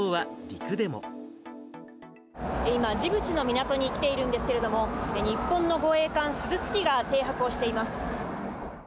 今、ジブチの港に来ているんですけれども、日本の護衛艦すずつきが停泊をしています。